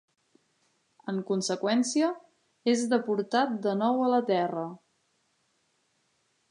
En conseqüència, és deportat de nou a la Terra.